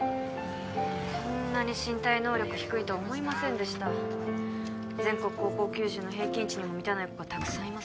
こんなに身体能力低いと思いませんでした全国高校球児の平均値にも満たない子がたくさんいます